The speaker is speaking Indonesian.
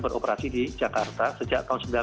penduduk becak tadi dilarang penduduk becak tadi dilarang